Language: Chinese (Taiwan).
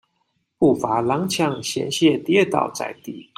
步伐踉蹌險些跌倒在地